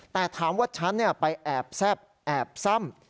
แต่ถามว่าฉันไปแอบแซ่บแอบซ่ำ